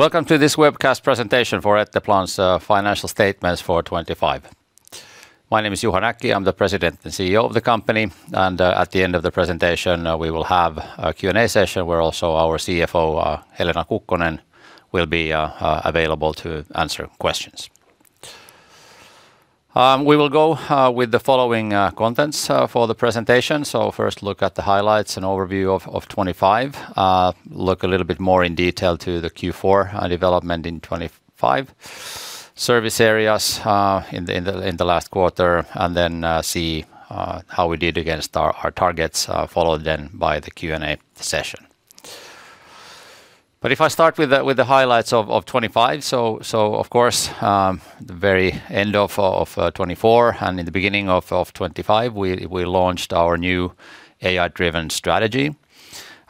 Welcome to this webcast presentation for Etteplan's Financial Statements for 2025. My name is Juha Näkki, I'm the President and CEO of the company, and at the end of the presentation, we will have a Q&A session, where also our CFO, Helena Kukkonen, will be available to answer questions. We will go with the following contents for the presentation. So first, look at the highlights and overview of 2025. Look a little bit more in detail to the Q4 development in 2025. Service areas in the last quarter, and then see how we did against our targets, followed then by the Q&A session. But if I start with the highlights of 2025. Of course, at the very end of 2024 and in the beginning of 2025, we launched our new AI-driven strategy.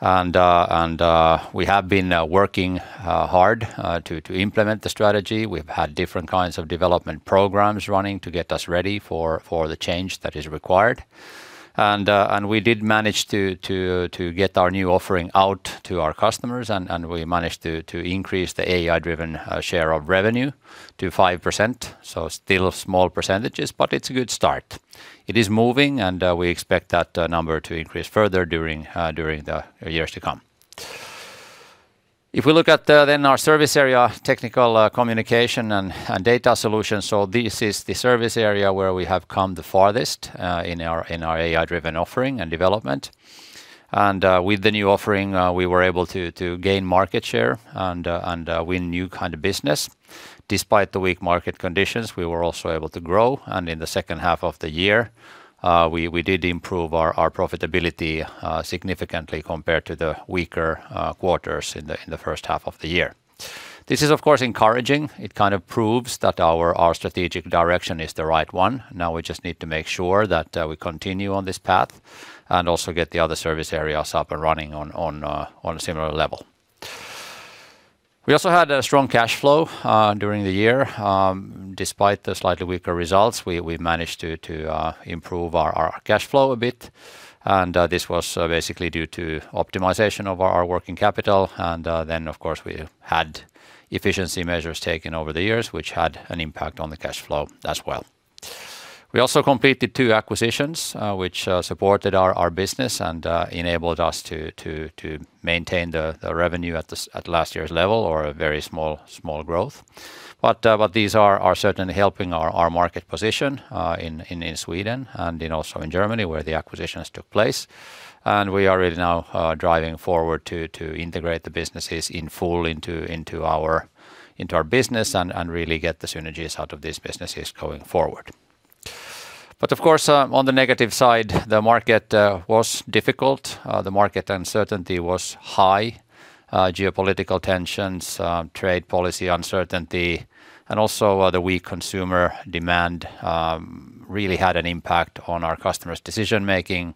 We have been working hard to implement the strategy. We've had different kinds of development programs running to get us ready for the change that is required. We did manage to get our new offering out to our customers, and we managed to increase the AI-driven share of revenue to 5%. Still small percentages, but it's a good start. It is moving, and we expect that number to increase further during the years to come. If we look at then our service area, Technical Communication and Data Solutions, so this is the service area where we have come the farthest in our AI-driven offering and development. And with the new offering we were able to gain market share and win new kind of business. Despite the weak market conditions, we were also able to grow, and in the second half of the year we did improve our profitability significantly compared to the weaker quarters in the first half of the year. This is, of course, encouraging. It kind of proves that our strategic direction is the right one. Now we just need to make sure that we continue on this path and also get the other service areas up and running on a similar level. We also had a strong cash flow during the year. Despite the slightly weaker results, we managed to improve our cash flow a bit, and this was basically due to optimization of our working capital. Then, of course, we had efficiency measures taken over the years, which had an impact on the cash flow as well. We also completed two acquisitions, which supported our business and enabled us to maintain the revenue at last year's level or a very small growth. But these are certainly helping our market position in Sweden and also in Germany, where the acquisitions took place. And we are really now driving forward to integrate the businesses in full into our business and really get the synergies out of these businesses going forward. But of course, on the negative side, the market was difficult. The market uncertainty was high. Geopolitical tensions, trade policy uncertainty, and also, the weak consumer demand really had an impact on our customers' decision-making,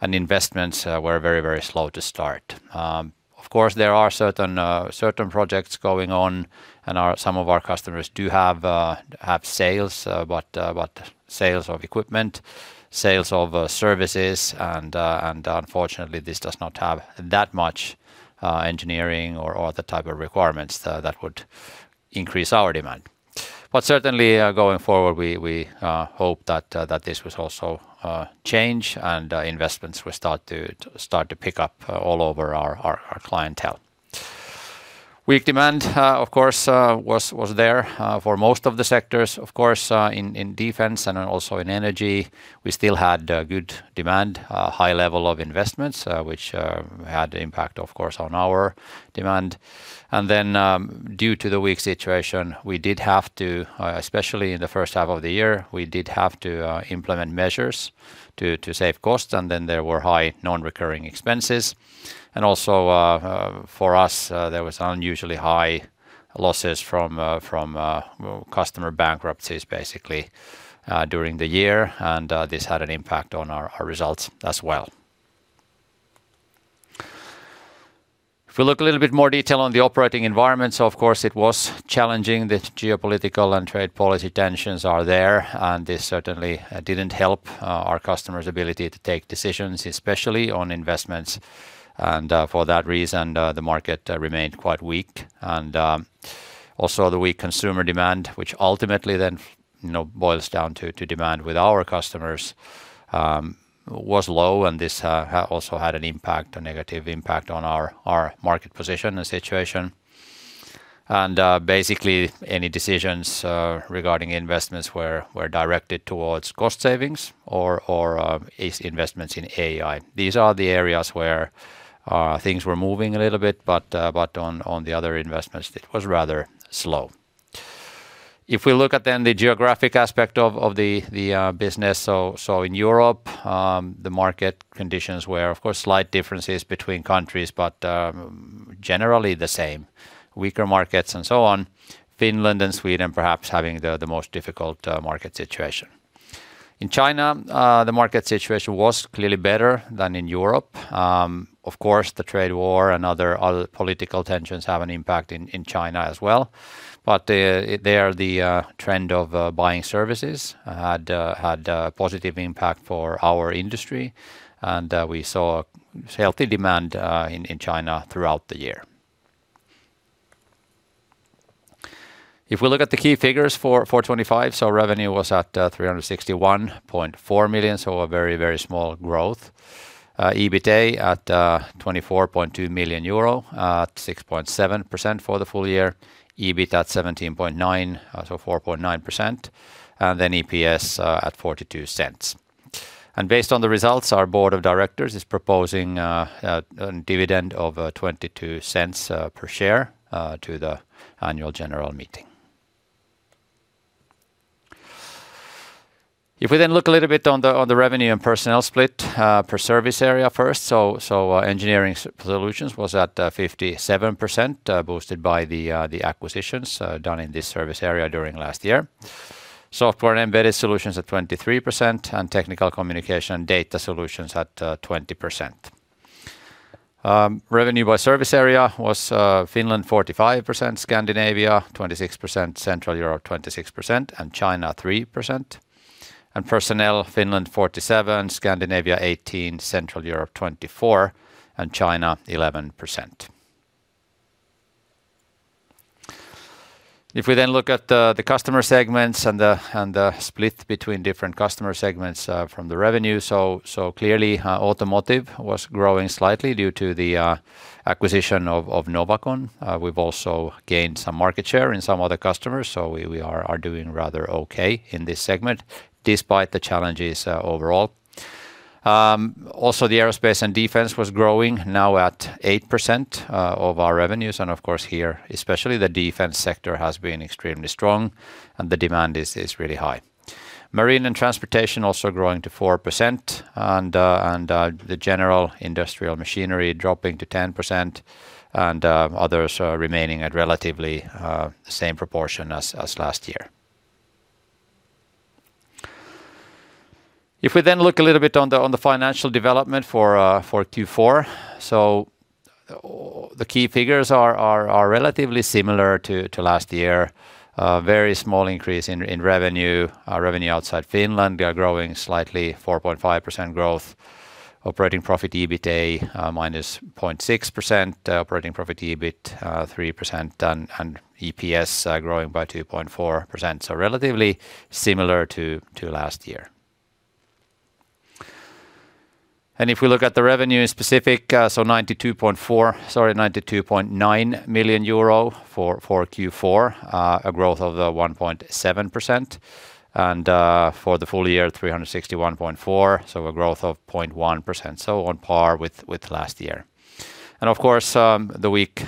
and investments were very, very slow to start. Of course, there are certain projects going on, and some of our customers do have sales, but sales of equipment, sales of services, and unfortunately, this does not have that much engineering or the type of requirements that would increase our demand. But certainly, going forward, we hope that this was also change, and investments will start to pick up all over our clientele. Weak demand, of course, was there for most of the sectors. Of course, in defense and also in energy, we still had a good demand, a high level of investments, which had impact, of course, on our demand. And then, due to the weak situation, we did have to, especially in the first half of the year, we did have to, implement measures to save costs, and then there were high non-recurring expenses. And also, for us, there was unusually high losses from customer bankruptcies, basically, during the year, and this had an impact on our results as well. If we look a little bit more detail on the operating environment, so of course, it was challenging. The geopolitical and trade policy tensions are there, and this certainly didn't help our customers' ability to take decisions, especially on investments. And, for that reason, the market remained quite weak. Also, the weak consumer demand, which ultimately then, you know, boils down to demand with our customers, was low, and this also had an impact, a negative impact on our market position and situation. Basically, any decisions regarding investments were directed towards cost savings or investments in AI. These are the areas where things were moving a little bit, but on the other investments, it was rather slow. If we look at then the geographic aspect of the business, so in Europe, the market conditions were, of course, slight differences between countries, but generally the same: weaker markets and so on. Finland and Sweden perhaps having the most difficult market situation. In China, the market situation was clearly better than in Europe. Of course, the trade war and other political tensions have an impact in China as well. But there, the trend of buying services had a positive impact for our industry, and we saw healthy demand in China throughout the year. If we look at the key figures for 2025, so revenue was at 361.4 million, so a very, very small growth. EBITDA at 24.2 million euro, at 6.7% for the full year. EBIT at 17.9 million, so 4.9%, and then EPS at 0.42. Based on the results, our board of directors is proposing a dividend of 0.22 per share to the annual general meeting. If we then look a little bit on the revenue and personnel split per service area first. Engineering Solutions was at 57%, boosted by the acquisitions done in this service area during last year. Software and Embedded Solutions at 23%, and Technical Communication Data Solutions at 20%. Revenue by service area was Finland 45%, Scandinavia 26%, Central Europe 26%, and China 3%. Personnel, Finland 47%, Scandinavia 18%, Central Europe 24%, and China 11%. If we then look at the customer segments and the split between different customer segments from the revenue. Clearly, automotive was growing slightly due to the acquisition of Novacon. We've also gained some market share in some other customers, so we are doing rather okay in this segment, despite the challenges overall. Also, the Aerospace and Defense was growing, now at 8% of our revenues. And of course, here, especially the defense sector has been extremely strong, and the demand is really high. Marine and transportation also growing to 4%, and the general industrial machinery dropping to 10%, and others remaining at relatively same proportion as last year. If we then look a little bit on the financial development for Q4, the key figures are relatively similar to last year. Very small increase in revenue. Our revenue outside Finland are growing slightly, 4.5% growth. Operating profit EBITDA, -0.6%. Operating profit EBIT, 3%, and EPS growing by 2.4%. So relatively similar to last year. And if we look at the revenue in specific, so 92.4... Sorry, 92.9 million euro for Q4, a growth of 1.7%. And for the full year, 361.4 million, so a growth of 0.1%. So on par with last year. And of course, the weak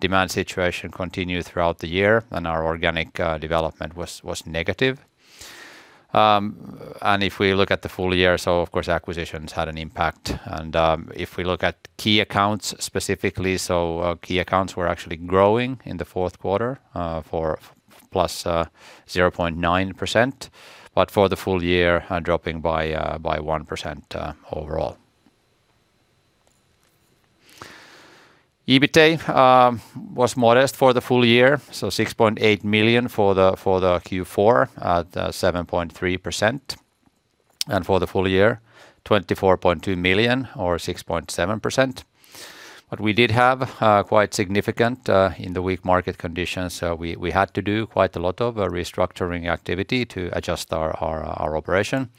demand situation continued throughout the year, and our organic development was negative. And if we look at the full year, so of course, acquisitions had an impact. If we look at key accounts specifically, so key accounts were actually growing in the fourth quarter for +0.9%. But for the full year, dropping by 1% overall. EBITDA was modest for the full year, so 6.8 million for the Q4, at 7.3%, and for the full year, 24.2 million or 6.7%. But we did have quite significant in the weak market conditions, so we had to do quite a lot of restructuring activity to adjust our operation.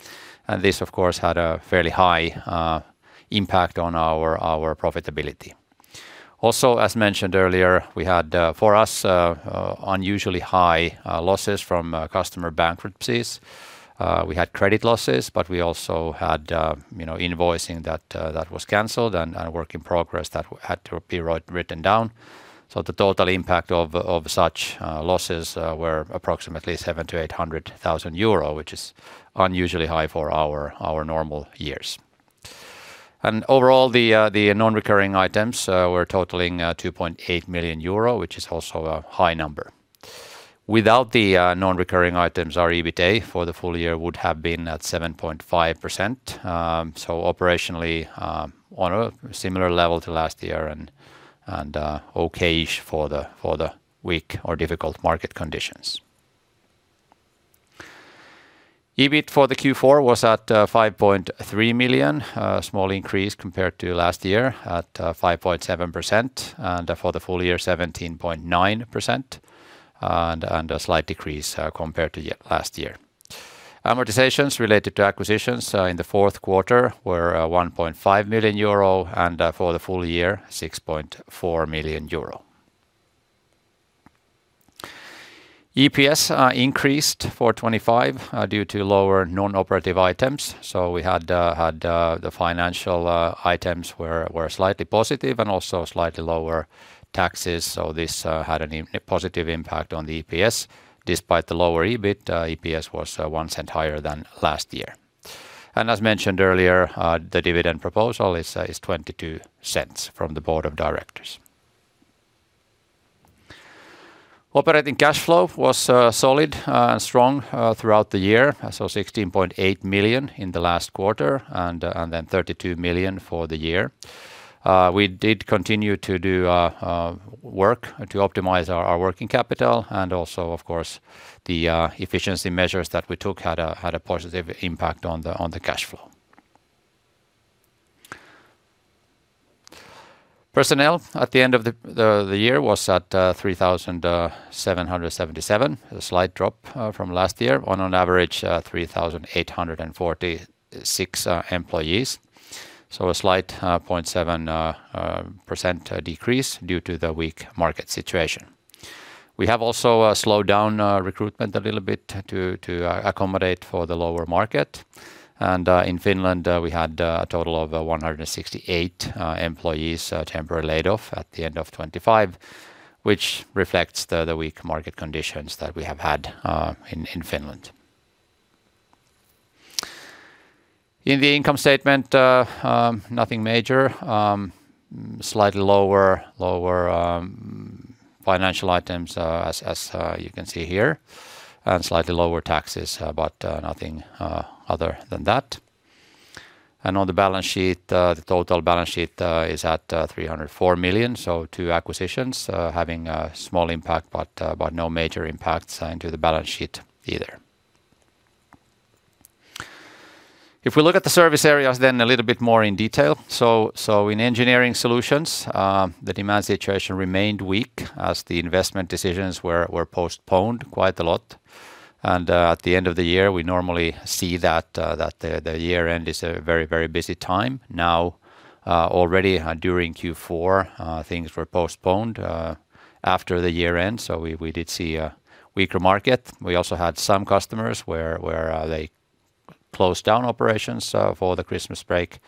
And this, of course, had a fairly high impact on our profitability. Also, as mentioned earlier, we had for us unusually high losses from customer bankruptcies. We had credit losses, but we also had, you know, invoicing that that was canceled and work in progress that had to be written down. So the total impact of such losses were approximately 700,000-800,000 euro, which is unusually high for our normal years. Overall, the non-recurring items were totaling 2.8 million euro, which is also a high number. Without the non-recurring items, our EBITDA for the full year would have been at 7.5%. Operationally, on a similar level to last year and okay-ish for the weak or difficult market conditions. EBIT for the Q4 was at 5.3 million, small increase compared to last year at 5.7%, and for the full year, 17.9%, and a slight decrease compared to last year. Amortizations related to acquisitions in the fourth quarter were 1.5 million euro, and for the full year, 6.4 million euro. EPS increased for 2025 due to lower non-operative items. So we had the financial items were slightly positive and also slightly lower taxes, so this had a positive impact on the EPS. Despite the lower EBIT, EPS was 0.01 EUR higher than last year. And as mentioned earlier, the dividend proposal is 0.22 EUR from the board of directors. Operating cash flow was solid and strong throughout the year, so 16.8 million in the last quarter, and then 32 million for the year. We did continue to do work to optimize our working capital, and also, of course, the efficiency measures that we took had a positive impact on the cash flow. Personnel at the end of the year was at 3,777. A slight drop from last year, on an average, 3,846 employees. So a slight 0.7% decrease due to the weak market situation. We have also slowed down recruitment a little bit to accommodate for the lower market. In Finland, we had a total of 168 employees temporarily laid off at the end of 2025, which reflects the weak market conditions that we have had in Finland. In the income statement, nothing major. Slightly lower financial items, as you can see here, and slightly lower taxes, but nothing other than that. On the balance sheet, the total balance sheet is at 304 million, so two acquisitions having a small impact, but no major impacts into the balance sheet either. If we look at the service areas, then a little bit more in detail. So in Engineering Solutions, the demand situation remained weak as the investment decisions were postponed quite a lot. At the end of the year, we normally see that, that the year-end is a very, very busy time. Now, already, during Q4, things were postponed after the year-end, so we did see a weaker market. We also had some customers where they closed down operations for the Christmas break,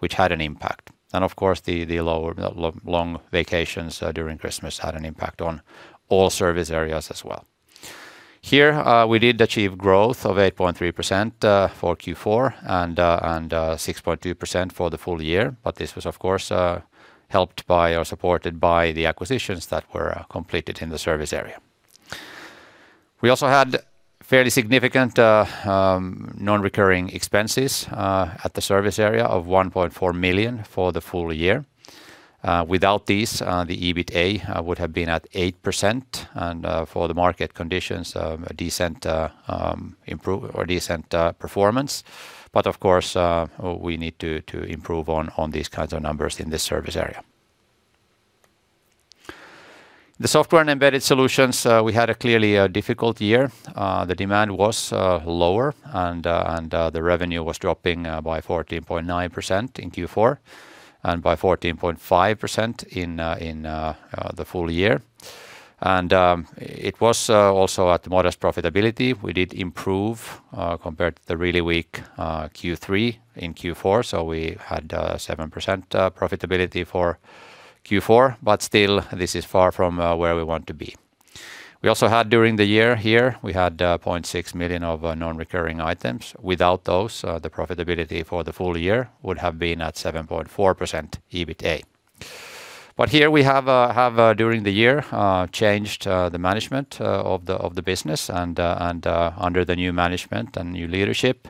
which had an impact. And of course, the lower long vacations during Christmas had an impact on all service areas as well. Here, we did achieve growth of 8.3% for Q4, and 6.2% for the full year, but this was, of course, helped by or supported by the acquisitions that were completed in the service area. We also had fairly significant non-recurring expenses at the service area of 1.4 million for the full year. Without these, the EBITDA would have been at 8%, and for the market conditions, a decent performance. But of course, we need to improve on these kinds of numbers in this service area. The Software and Embedded Solutions, we had a clearly difficult year. The demand was lower and the revenue was dropping by 14.9% in Q4, and by 14.5% in the full year. And it was also at modest profitability. We did improve compared to the really weak Q3 in Q4, so we had 7% profitability for Q4, but still, this is far from where we want to be. We also had during the year here, we had 0.6 million of non-recurring items. Without those, the profitability for the full year would have been at 7.4% EBITDA. But here we have during the year changed the management of the business, and under the new management and new leadership,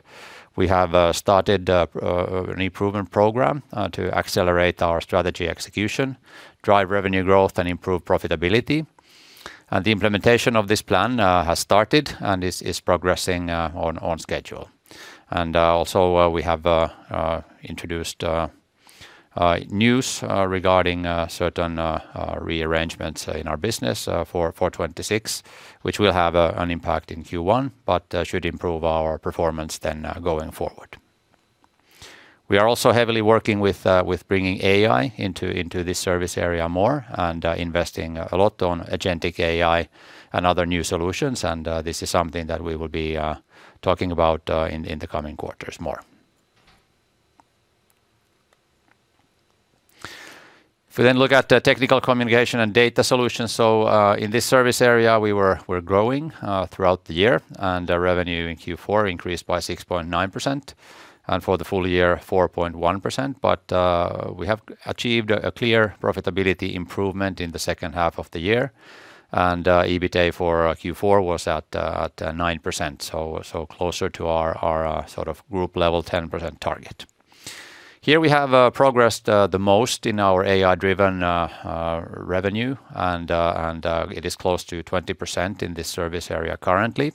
we have started an improvement program to accelerate our strategy execution, drive revenue growth, and improve profitability. And the implementation of this plan has started and is progressing on schedule. Also, we have introduced news regarding certain rearrangements in our business for 2026, which will have an impact in Q1, but should improve our performance then going forward. We are also heavily working with bringing AI into this service area more, and investing a lot on Agentic AI and other new solutions, and this is something that we will be talking about in the coming quarters more. If we then look at the Technical Communication and Data Solutions, so in this service area, we're growing throughout the year, and our revenue in Q4 increased by 6.9%, and for the full year, 4.1%. We have achieved a clear profitability improvement in the second half of the year, and EBITDA for Q4 was at 9%, so closer to our sort of group level 10% target. Here we have progressed the most in our AI-driven revenue, and it is close to 20% in this service area currently.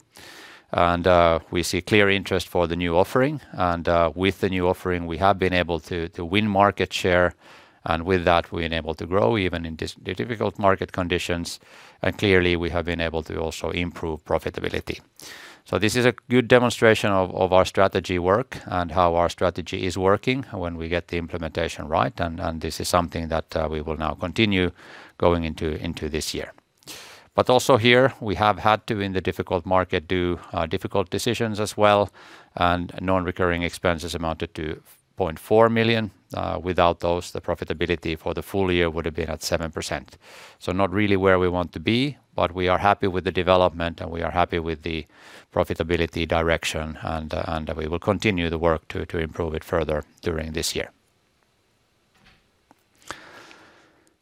We see clear interest for the new offering, and with the new offering, we have been able to win market share, and with that, we've been able to grow even in this difficult market conditions, and clearly, we have been able to also improve profitability. So this is a good demonstration of, of our strategy work and how our strategy is working when we get the implementation right, and, and this is something that, we will now continue going into, into this year. But also here, we have had to, in the difficult market, do, difficult decisions as well, and non-recurring expenses amounted to 0.4 million. Without those, the profitability for the full year would have been at 7%. So not really where we want to be, but we are happy with the development, and we are happy with the profitability direction, and, and we will continue the work to, to improve it further during this year.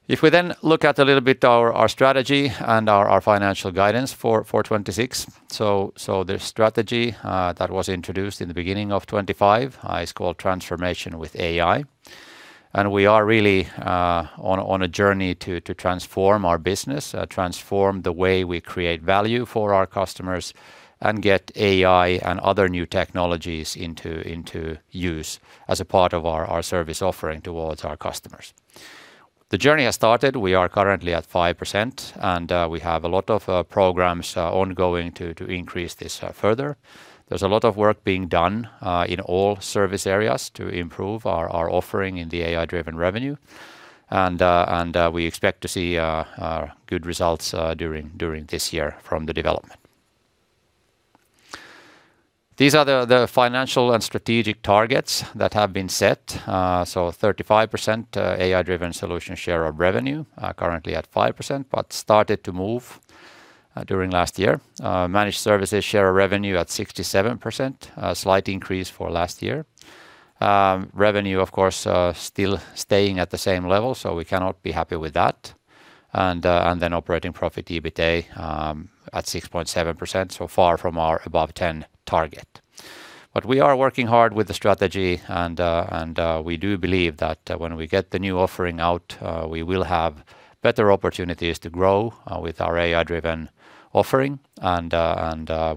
If we then look at a little bit our strategy and our financial guidance for 2026, so the strategy that was introduced in the beginning of 2025 is called Transformation with AI. We are really on a journey to transform our business, transform the way we create value for our customers, and get AI and other new technologies into use as a part of our service offering towards our customers. The journey has started. We are currently at 5%, and we have a lot of programs ongoing to increase this further. There's a lot of work being done in all service areas to improve our offering in the AI-driven revenue. And we expect to see good results during this year from the development. These are the financial and strategic targets that have been set. So 35% AI-driven solution share of revenue, currently at 5%, but started to move during last year. Managed services share of revenue at 67%, a slight increase for last year. Revenue, of course, still staying at the same level, so we cannot be happy with that. And then operating profit EBITDA, at 6.7%, so far from our above 10 target. But we are working hard with the strategy, and we do believe that when we get the new offering out, we will have better opportunities to grow with our AI-driven offering, and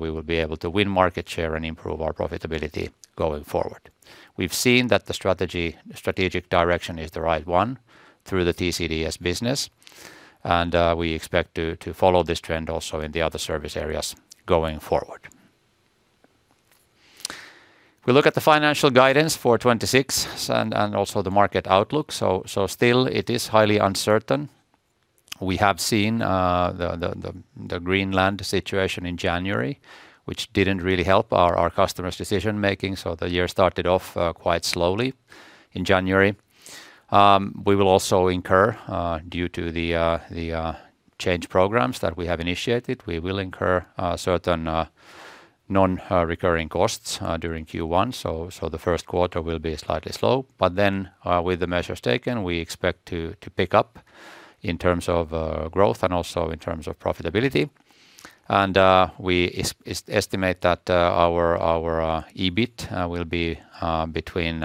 we will be able to win market share and improve our profitability going forward. We've seen that the strategy, strategic direction is the right one through the TCDS business, and we expect to follow this trend also in the other service areas going forward. We look at the financial guidance for 2026, and also the market outlook, so still it is highly uncertain. We have seen the Greenland situation in January, which didn't really help our customers' decision-making, so the year started off quite slowly in January. We will also incur due to the change programs that we have initiated, we will incur certain non-recurring costs during Q1. So the first quarter will be slightly slow, but then with the measures taken, we expect to pick up in terms of growth and also in terms of profitability. And we estimate that our EBIT will be between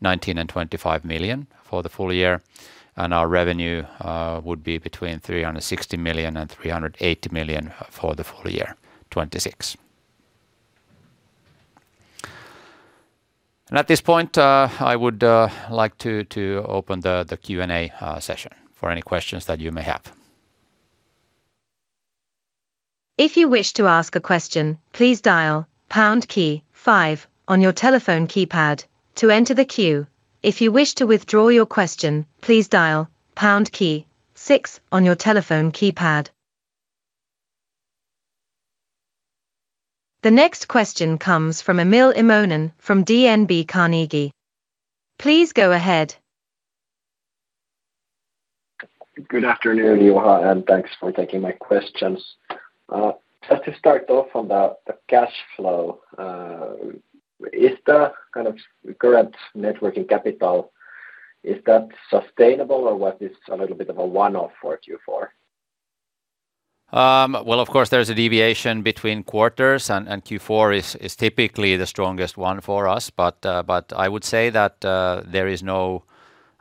19 million and 25 million for the full year, and our revenue would be between 360 million and 308 million for the full year 2026. And at this point, I would like to open the Q&A session for any questions that you may have. If you wish to ask a question, please dial pound key five on your telephone keypad to enter the queue. If you wish to withdraw your question, please dial pound key six on your telephone keypad. The next question comes from Emil Immonen, from DNB Carnegie. Please go ahead. Good afternoon, Juha, and thanks for taking my questions. Just to start off on the cash flow, is the kind of current net working capital sustainable, or was this a little bit of a one-off for Q4? Well, of course, there's a deviation between quarters, and Q4 is typically the strongest one for us. But I would say that there is no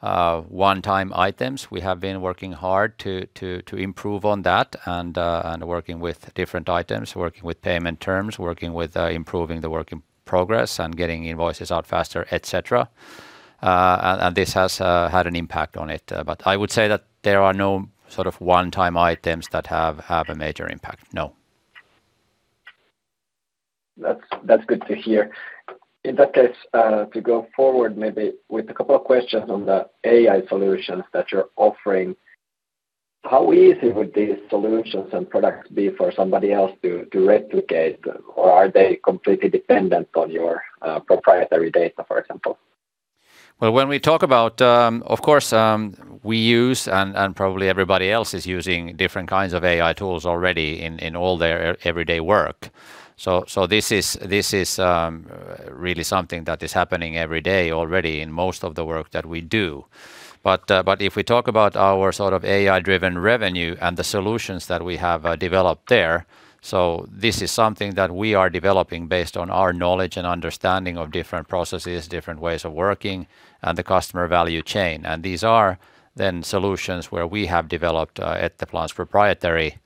one-time items. We have been working hard to improve on that and working with different items, working with payment terms, working with improving the work in progress, and getting invoices out faster, et cetera. And this has had an impact on it, but I would say that there are no sort of one-time items that have a major impact, no. That's, that's good to hear. In that case, to go forward, maybe with a couple of questions on the AI solutions that you're offering. How easy would these solutions and products be for somebody else to replicate? Or are they completely dependent on your proprietary data, for example? Well, when we talk about, of course, we use, and probably everybody else is using, different kinds of AI tools already in all their everyday work. So this is really something that is happening every day already in most of the work that we do. But if we talk about our sort of AI-driven revenue and the solutions that we have developed there, so this is something that we are developing based on our knowledge and understanding of different processes, different ways of working, and the customer value chain. And these are then solutions where we have developed Etteplan's proprietary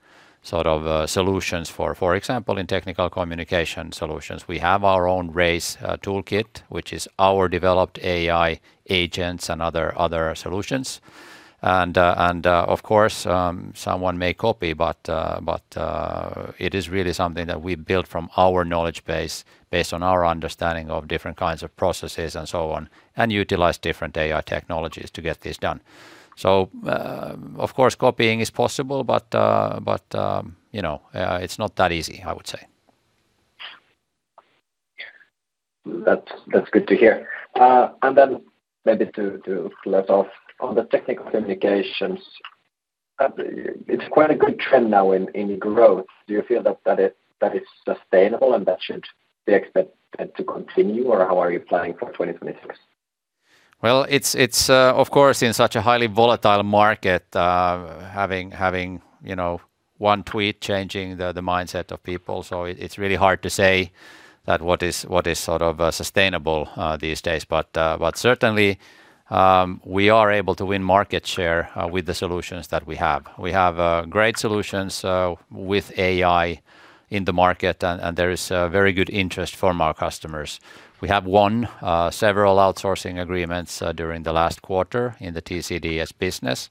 sort of solutions. For example, in technical communication solutions, we have our own rAIse toolkit, which is our developed AI agents and other solutions. Of course, someone may copy, but it is really something that we built from our knowledge base, based on our understanding of different kinds of processes and so on, and utilize different AI technologies to get this done. Of course, copying is possible, but you know, it's not that easy, I would say. That's, that's good to hear. And then maybe to close off on the technical communications, it's quite a good trend now in growth. Do you feel that that is sustainable and that should be expected to continue, or how are you planning for 2026? Well, it's of course in such a highly volatile market, having you know one tweet changing the mindset of people. So it's really hard to say what is sort of sustainable these days. But certainly we are able to win market share with the solutions that we have. We have great solutions with AI in the market, and there is a very good interest from our customers. We have won several outsourcing agreements during the last quarter in the TCDS business,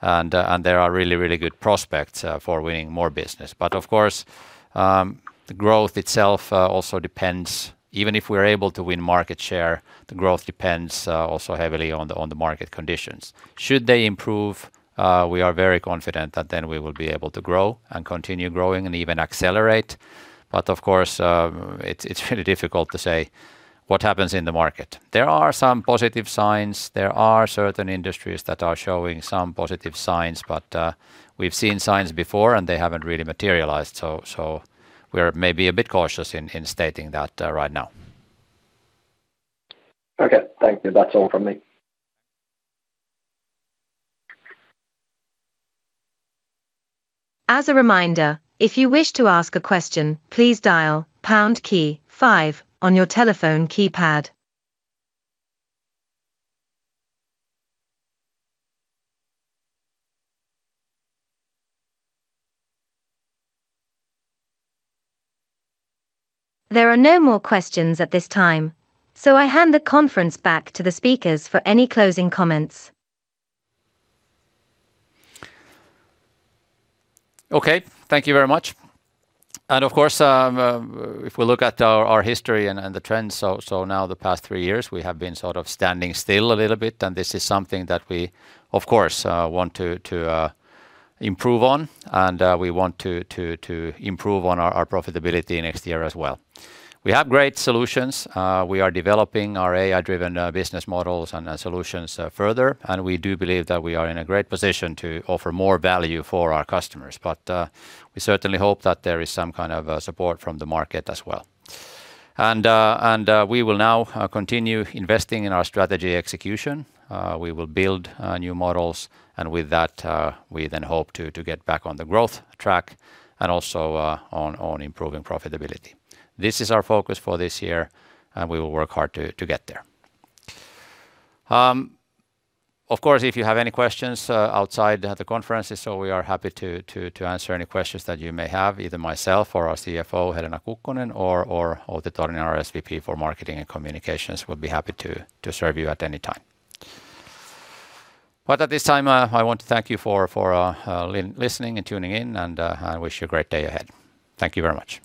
and there are really really good prospects for winning more business. But of course the growth itself also depends. Even if we're able to win market share, the growth depends also heavily on the market conditions. Should they improve, we are very confident that then we will be able to grow and continue growing and even accelerate. But of course, it's really difficult to say what happens in the market. There are some positive signs. There are certain industries that are showing some positive signs, but we've seen signs before, and they haven't really materialized, so we're maybe a bit cautious in stating that, right now. Okay. Thank you. That's all from me. As a reminder, if you wish to ask a question, please dial pound key five on your telephone keypad. There are no more questions at this time, so I hand the conference back to the speakers for any closing comments. Okay. Thank you very much. And of course, if we look at our history and the trends, so now the past three years, we have been sort of standing still a little bit, and this is something that we of course want to improve on, and we want to improve on our profitability next year as well. We have great solutions. We are developing our AI-driven business models and solutions further, and we do believe that we are in a great position to offer more value for our customers. But we certainly hope that there is some kind of support from the market as well. And we will now continue investing in our strategy execution. We will build new models, and with that, we then hope to get back on the growth track and also on improving profitability. This is our focus for this year, and we will work hard to get there. Of course, if you have any questions outside the conference, we are happy to answer any questions that you may have, either myself or our CFO, Helena Kukkonen, or Outi Torniainen, our SVP for Marketing and Communications, will be happy to serve you at any time. But at this time, I want to thank you for listening and tuning in, and I wish you a great day ahead. Thank you very much.